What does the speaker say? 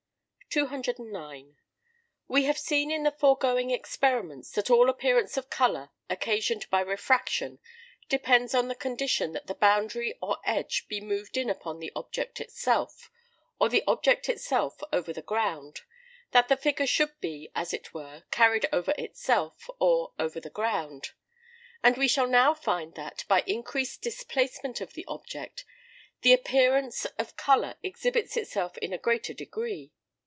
209. We have seen in the foregoing experiments that all appearance of colour occasioned by refraction depends on the condition that the boundary or edge be moved in upon the object itself, or the object itself over the ground, that the figure should be, as it were, carried over itself, or over the ground. And we shall now find that, by increased displacement of the object, the appearance of colour exhibits itself in a greater degree.